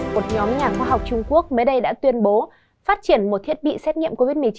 một nhóm nhà khoa học trung quốc mới đây đã tuyên bố phát triển một thiết bị xét nghiệm covid một mươi chín